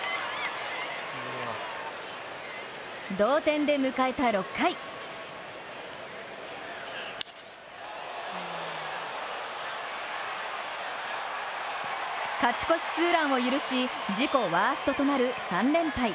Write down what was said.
同点で迎えた６回勝ち越しツーランを許し、自己ワーストとなる３連敗。